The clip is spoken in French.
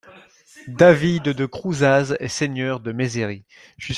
David de Crousaz est seigneur de Mézery.